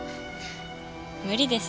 無理です。